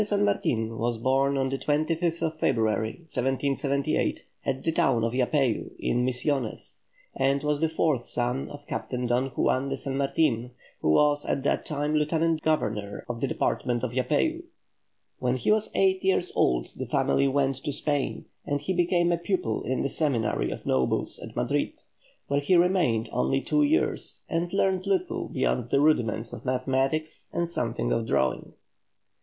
SAN MARTIN IN EUROPE AND IN AMERICA. 1778 1812. Jose de San Martin was born on the 25th February, 1778, at the town of Yapeyu in Misiones, and was the fourth son of Captain Don Juan de San Martin who was at that time Lieutenant Governor of the Department of Yapeyu. When he was eight years old the family went to Spain, and he became a pupil in the Seminary of Nobles at Madrid, where he remained only two years, and learned little beyond the rudiments of mathematics and something of drawing.